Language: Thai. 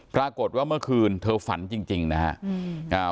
ปรากฏว่าเมื่อคืนเธอฝันจริงนะครับ